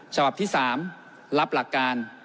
ฉบับที่๓รับหลักการ